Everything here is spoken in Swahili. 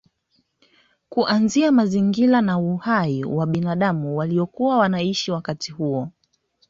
Kuanzia mazingira na uhai wa binadamu waliokuwa wanaishi wakati huo